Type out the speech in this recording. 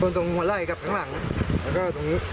โดนตรงหลายกับข้างหลังแล้วก็ตรงนี้๓ตัว